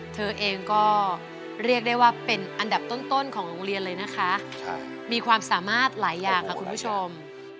เธอเองก็เรียกได้ว่าเป็นอันดับต้นของโรงเรียนเลยนะคะมีความสามารถหลายอย่างค่ะคุณผู้ชม